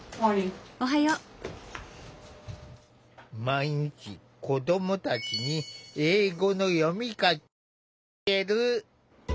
毎日子どもたちに英語の読み書きを教える。